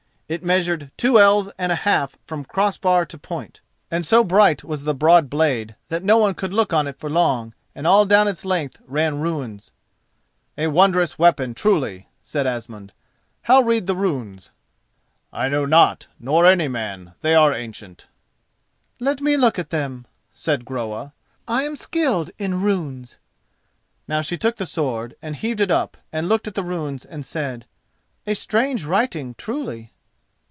It measured two ells and a half from crossbar to point, and so bright was the broad blade that no one could look on it for long, and all down its length ran runes. "A wondrous weapon, truly!" said Asmund. "How read the runes?" "I know not, nor any man—they are ancient." "Let me look at them," said Groa, "I am skilled in runes." Now she took the sword, and heaved it up, and looked at the runes and said, "A strange writing truly."